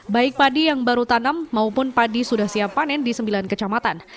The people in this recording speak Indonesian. baik padi yang baru tanam maupun padi sudah siap panen di sembilan kecamatan